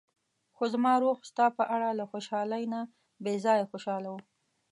خو زما روح ستا په اړه له خوشحالۍ نه بې ځايه خوشاله و.